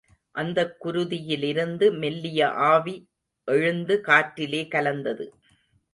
அந்தக் குருதியிலிருந்து மெல்லிய ஆவி எழுந்து காற்றிலே கலந்தது.